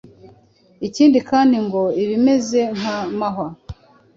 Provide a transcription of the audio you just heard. Ikindi kandi ngo ibimeze nk’amahwa